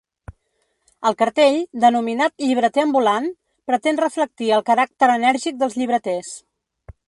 El cartell, denominat “Llibreter ambulant”, pretén reflectir el caràcter enèrgic dels llibreters.